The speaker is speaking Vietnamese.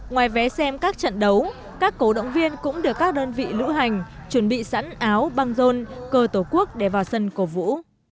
ngoài vé xem các trận đấu các cổ động viên cũng được các đơn vị lữ hành chuẩn bị sẵn áo băng rôn cờ tổ quốc để vào sân cổ vũ